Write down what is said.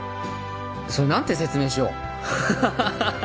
それ何て説明しよう？